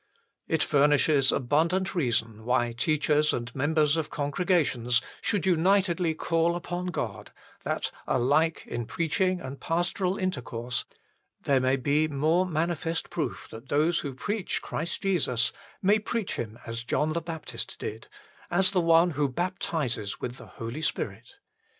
It furnishes abundant reason why teachers and members of congregations should unitedly call upon God, that alike in preaching and pastoral intercourse there may be more manifest proof that those who preach Christ Jesus may preach Him as John the HOW IT IS TO BE TAUGHT 19 Baptist did, as the One who baptizes with the Holy Spirit.